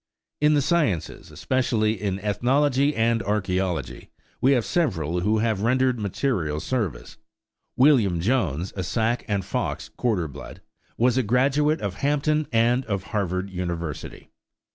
In the sciences, especially in ethnology and archæology, we have several who have rendered material service. William Jones, a Sac and Fox quarter blood, was a graduate of Hampton and of Harvard University.